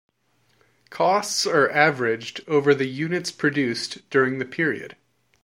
Costs are averaged over the units produced during the period.